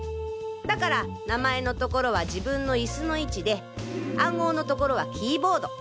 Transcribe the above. だから名前の所は自分の椅子の位置で暗号の所はキーボード。